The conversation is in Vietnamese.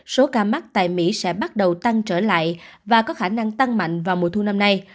số ca mắc tại mỹ sẽ bắt đầu tăng trở lại và có khả năng tăng mạnh vào mùa thu năm nay